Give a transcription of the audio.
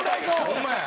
ホンマや。